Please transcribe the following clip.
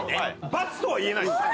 バツとは言えないですよ。